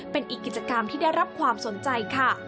เป็นอีกกิจกรรมที่ได้รับความสนใจค่ะ